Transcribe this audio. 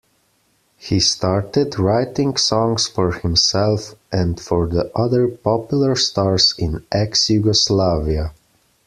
He started writing songs for himself and for the other popular stars in ex-Yugoslavia.